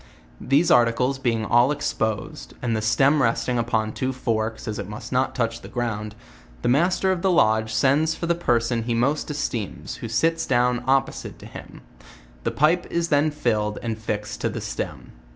These articles being all exposed, and the Blem resting upon two forks, as it must not touch the ground, the master of the lodge sends for the person he most esteems, who sits down opposite to him, the pipe is then filled and fix ed to the stem.